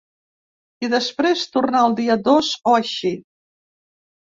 I després tornar el dia dos o així.